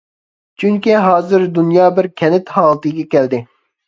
چۈنكى ھازىر دۇنيا بىر كەنت ھالىتىگە كەلدى.